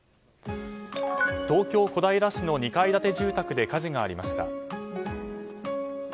東京・小平市の２階建て住宅で火事がありました。